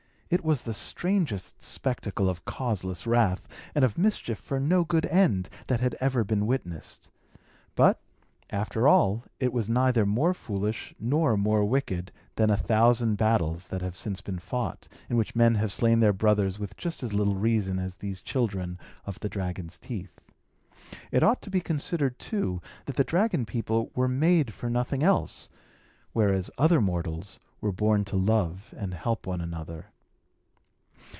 It was the strangest spectacle of causeless wrath, and of mischief for no good end, that had ever been witnessed; but, after all, it was neither more foolish nor more wicked than a thousand battles that have since been fought, in which men have slain their brothers with just as little reason as these children of the dragon's teeth. It ought to be considered, too, that the dragon people were made for nothing else; whereas other mortals were born to love and help one another.